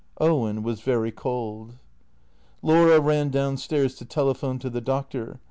Owen was very cold. Laura ran down stairs to telephone to the Doctor.